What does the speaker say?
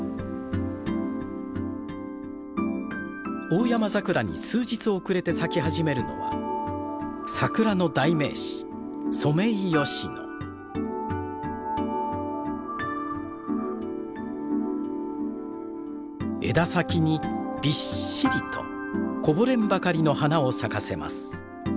オオヤマザクラに数日遅れて咲き始めるのは桜の代名詞枝先にびっしりとこぼれんばかりの花を咲かせます。